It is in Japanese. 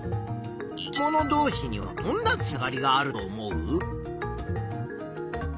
生き物どうしにはどんなつながりがあると思う？